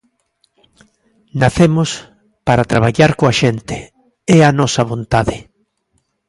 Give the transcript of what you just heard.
Nacemos para traballar coa xente, é a nosa vontade.